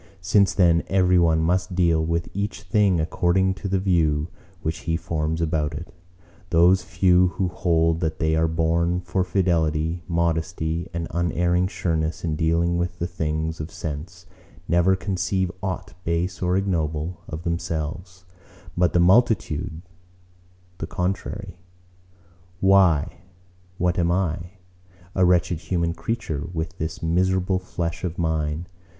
Since then every one must deal with each thing according to the view which he forms about it, those few who hold that they are born for fidelity, modesty, and unerring sureness in dealing with the things of sense, never conceive aught base or ignoble of themselves: but the multitude the contrary. Why, what am I?—A wretched human creature; with this miserable flesh of mine.